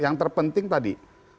yang terpenting tadi